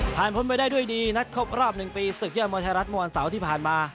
พ้นไปได้ด้วยดีนัดครบรอบ๑ปีศึกยอดมวยไทยรัฐเมื่อวันเสาร์ที่ผ่านมา